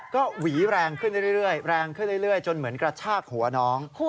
ก็หวีแรงขึ้นเรื่อยจนเหมือนกระชากหัวน้อง